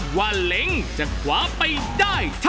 คะแนนที่พวกคุณให้คือ